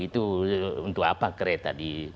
itu untuk apa kereta